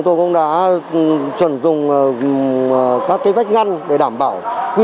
trên địa bàn